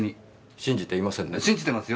信じてますよ